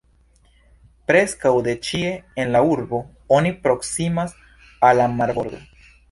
Preskaŭ de ĉie en la urbo oni proksimas al la marbordo.